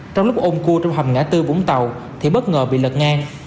trong lúc ôn cua trong hầm ngã tư vũng tàu thì bất ngờ bị lật ngang